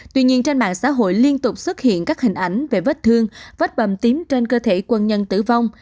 tuy nhiên trên mạng xã hội liên tục xuất hiện các hình ảnh về vết thương vết bầm tím trên cơ thể quân nhân tử vong